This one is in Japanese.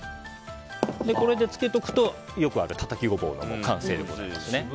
これで漬けておくとよくあるたたきゴボウの完成でございます。